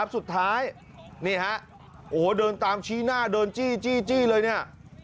สุดท้ายนี่ฮะโอ้โหเดินตามชี้หน้าเดินจี้เลยเนี่ย